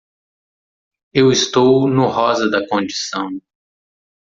Eu estou no rosa da condição.